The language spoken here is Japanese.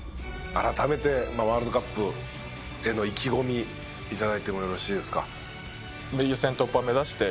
改めてワールドカップへの意気込み頂いてもよろしいですか？